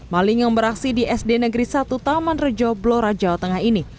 maling yang beraksi di sd negeri satu taman rejo blora jawa tengah ini